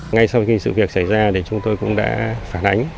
ngay sau khi sự việc xảy ra thì chúng tôi cũng đã phản ánh